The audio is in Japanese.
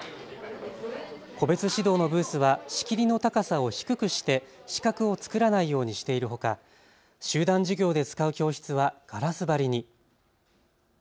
個別指導のブースは仕切りの高さを低くして死角を作らないようにしているほか、集団授業で使う教室はガラス張りに。